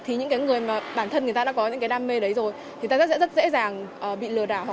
thì những cái người mà bản thân người ta đã có những cái đam mê đấy rồi thì ta rất dễ dàng bị lừa đảo